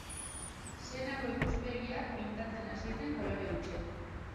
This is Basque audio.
Senako ikuspegiak pintatzen hasi zen kolore hutsez.